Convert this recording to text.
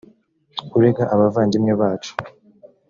urega abavandimwe bacu